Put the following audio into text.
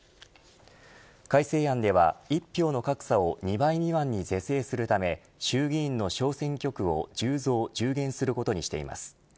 改正案では１票の格差を２倍未満に是正するため衆議院の小選挙区を１０増１０減することにしています。